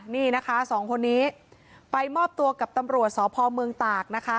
นี่นะคะสองคนนี้ไปมอบตัวกับตำรวจสพเมืองตากนะคะ